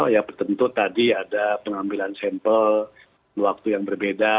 ya tentu tadi ada pengambilan sampel waktu yang berbeda